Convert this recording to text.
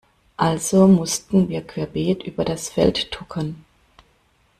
Also mussten wir querbeet über das Feld tuckern.